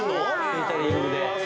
ケータリングで。